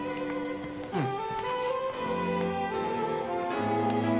うん。